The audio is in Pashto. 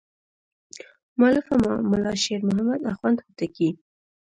مؤلفه ملا شیر محمد اخوند هوتکی.